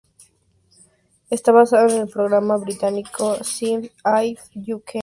Está basado en el programa británico "Sing If You Can".